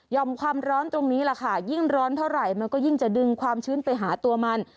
ความร้อนตรงนี้แหละค่ะยิ่งร้อนเท่าไหร่มันก็ยิ่งจะดึงความชื้นไปหาตัวมัน